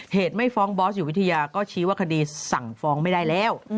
ไม่ฟ้องบอสอยู่วิทยาก็ชี้ว่าคดีสั่งฟ้องไม่ได้แล้ว